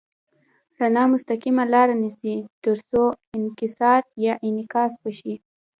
رڼا مستقیمه لاره نیسي تر څو انکسار یا انعکاس وشي.